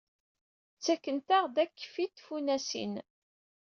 Ttakent-aɣ-d akeffi tfunasin.